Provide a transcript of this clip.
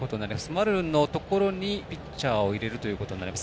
丸のところにピッチャーを入れることになります。